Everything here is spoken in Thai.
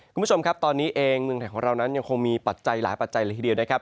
คุณผู้ชมครับตอนนี้เองเมืองไทยของเรานั้นยังคงมีปัจจัยหลายปัจจัยเลยทีเดียวนะครับ